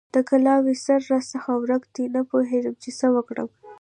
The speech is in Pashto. د کلاوې سر راڅخه ورک دی؛ نه پوهېږم چې څه وکړم؟!